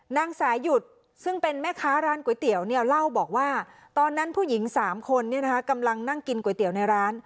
นางสายุดซึ่งเป็นแม่ค้าร้านก๋วยเตี๋ยวเนี่ยเล่าบอกว่าตอนนั้นผู้หญิง๓คนกำลังนั่งกินก๋วยเตี๋ยวในร้าน